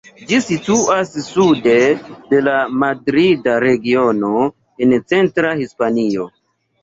Ĝi situas sude de la Madrida Regiono en centra Hispanio.